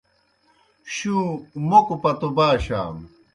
شُوں موکوْ پتو باشاسوْ۔